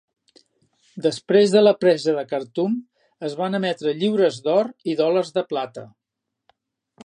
Després de la presa de Khartum es van emetre lliures d'or i dòlars de plata.